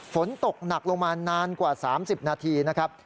ฝนตกหนักลงมานานกว่า๓๐นาทีนะครับ